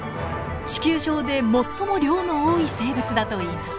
地球上で最も量の多い生物だといいます。